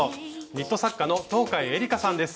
ニット作家の東海えりかさんです。